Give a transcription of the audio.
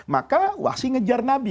maka wahsy mengejar nabi